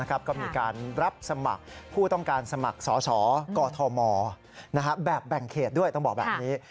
ก็มีการรับสมัครผู้ต้องการสมัครสอสอกอทมแบบแบ่งเขตด้วยต้องบอกแบบนี้